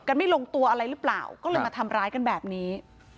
ไม่ลงตัวอะไรหรือเปล่าก็เลยมาทำร้ายกันแบบนี้